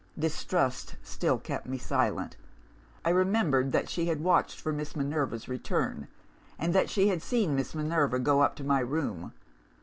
"Distrust still kept me silent. I remembered that she had watched for Miss Minerva's return, and that she had seen Miss Minerva go up to my room.